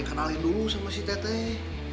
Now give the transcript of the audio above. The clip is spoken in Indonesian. kenalin dulu sama si teteh